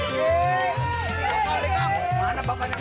kok palikam mana bapaknya